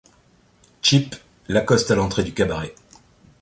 Chip, l'accoste à l'entrée du cabaret.